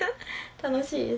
楽しいです。